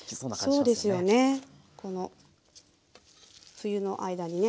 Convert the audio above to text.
冬の間にね